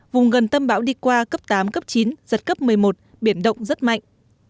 vùng gần tâm bão đi qua cấp tám cấp chín giật cấp một mươi một biển động rất mạnh